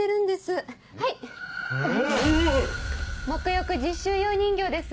沐浴実習用人形です